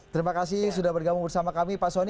terima kasih sudah bergabung bersama kami pak soni